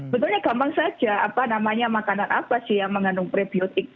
betulnya gampang saja apa namanya makanan apa sih yang mengandung prebiotik